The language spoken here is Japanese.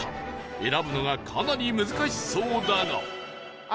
選ぶのがかなり難しそうだが